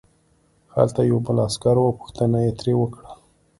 هلته یو بل عسکر و او پوښتنه یې ترې وکړه